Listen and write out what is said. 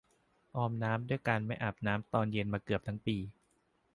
ออมน้ำด้วยการไม่อาบน้ำตอนเย็นมาเกือบทั้งปี